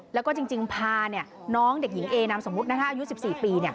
แล้วก็จริงพาน้องเด็กหญิงเอนามสมมุติอายุ๑๔ปี